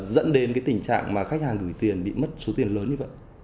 dẫn đến cái tình trạng mà khách hàng gửi tiền bị mất số tiền lớn như vậy